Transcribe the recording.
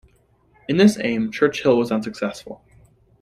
In this aim, Churchill was unsuccessful.